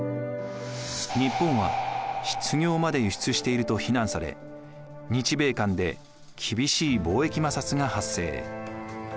日本は「失業まで輸出している」と非難され日米間で厳しい貿易摩擦が発生。